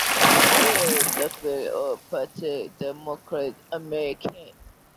Il est affilié au Parti démocrate américain.